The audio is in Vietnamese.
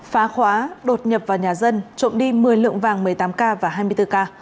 phá khóa đột nhập vào nhà dân trộm đi một mươi lượng vàng một mươi tám k và hai mươi bốn k